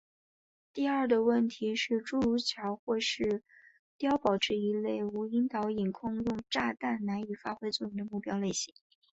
第二的问题是诸如桥或是碉堡这一类无导引空用炸弹难以发挥作用的目标类型。